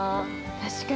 ◆確かに。